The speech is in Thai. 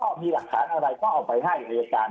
เดิมก็มีกำหนดจะสั่งฟ้องไม่เพราะอะไรแล้วแหละนะครับ